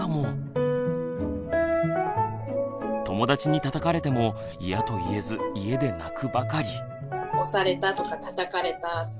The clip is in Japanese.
友だちにたたかれてもイヤと言えず家で泣くばかり。